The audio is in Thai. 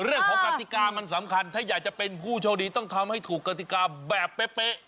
กติกามันสำคัญถ้าอยากจะเป็นผู้โชคดีต้องทำให้ถูกกติกาแบบเป๊ะ